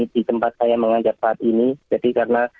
di tempat saya mengajak saat ini jadi karena